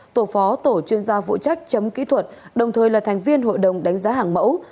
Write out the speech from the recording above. tổ phó tổ chuyên gia vụ trách chấm kỹ thuật đồng thời là thành viên hội đồng đánh giá hàng mẫu